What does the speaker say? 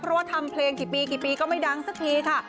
เพราะว่าทำเพลงกี่ปีกี่ปีก็ไม่ดังสักทีค่ะ